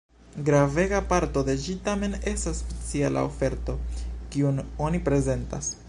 Gravega parto de ĝi tamen estas speciala oferto, kiun oni prezentas.